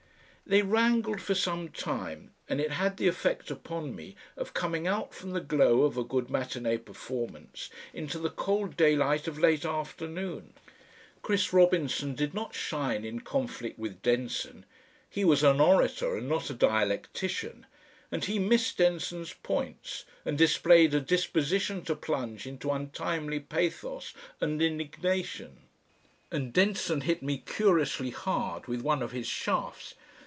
They wrangled for some time, and it had the effect upon me of coming out from the glow of a good matinee performance into the cold daylight of late afternoon. Chris Robinson did not shine in conflict with Denson; he was an orator and not a dialectician, and he missed Denson's points and displayed a disposition to plunge into untimely pathos and indignation. And Denson hit me curiously hard with one of his shafts.